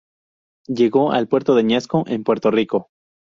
Llegó al puerto de Añasco, en Puerto Rico.